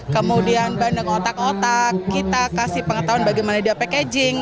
kemudian bandeng otak otak kita kasih pengetahuan bagaimana dia packaging